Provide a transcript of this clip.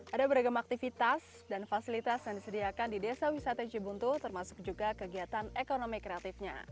ada beragam aktivitas dan fasilitas yang disediakan di desa wisata jebuntu termasuk juga kegiatan ekonomi kreatifnya